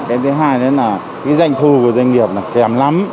cái thứ hai đó là cái doanh thu của doanh nghiệp là kém lắm